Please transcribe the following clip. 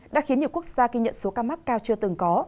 đã khiến nhiều quốc gia ghi nhận số ca mắc cao chưa từng có